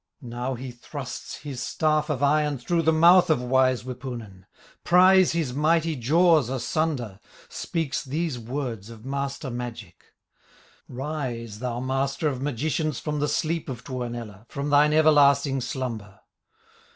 Now he thrusts his staff of iron Through the mouth of wise Wipunen, Pries his mighty jaws asunder, Speaks these words of master magic: "Rise, thou master of magicians, From the sleep of Tuonela, From thine everlasting slumber!"